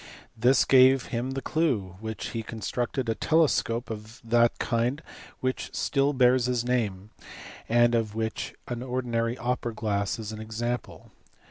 This gave him the clue, and he constructed a telescope of that kind which still bears his name, and of which an ordinary opera glass is an example.